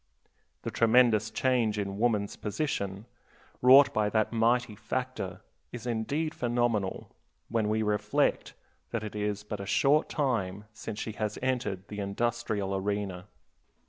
The tremendous change in woman's position, wrought by that mighty factor, is indeed phenomenal when we reflect that it is but a short time since she has entered the industrial arena.